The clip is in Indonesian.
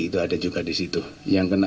itu ada juga disitu yang kena